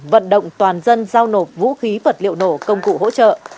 vận động toàn dân giao nộp vũ khí vật liệu nổ công cụ hỗ trợ